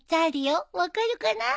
分かるかな？